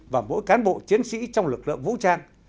và mỗi cán bộ chiến sĩ trong lực lượng vũ trang